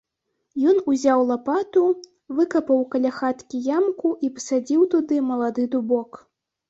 Ён узяў лапату, выкапаў каля хаткі ямку і пасадзіў туды малады дубок.